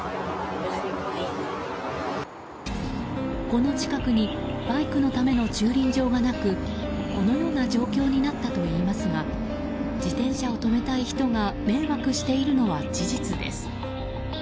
この近くにバイクのための駐輪場がなくこのような状況になったといいますが自転車を止めたい人が迷惑しているのは事実です。